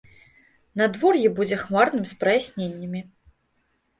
Надвор'е будзе хмарным з праясненнямі.